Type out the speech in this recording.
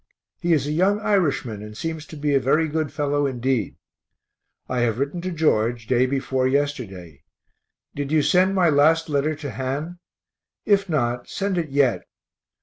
He is a young Irishman, and seems to be a very good fellow indeed. I have written to George, day before yesterday. Did you send my last letter to Han? If not, send it yet.